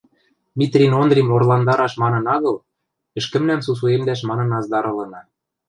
Митрин Ондрим орландараш манын агыл, ӹшкӹмнӓм сусуэмдӓш манын аздарылына.